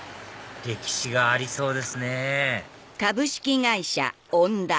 歴史がありそうですね